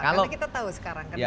karena kita tahu sekarang kan